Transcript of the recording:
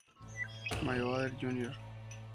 Mayweather Jr.